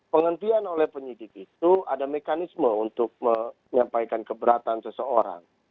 penghentian oleh penyidik itu ada mekanisme untuk menyampaikan keberatan seseorang